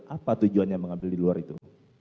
apa tujuannya mengambil di luar itu